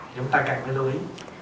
chúng ta cần phải lưu ý